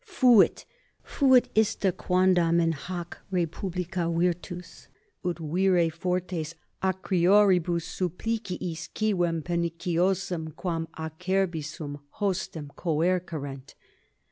Fuit, fuit ista quondam in hac re publica virtus, ut viri fortes acrioribus suppliciis civem perniciosum quam acerbissimum hostem coërcerent.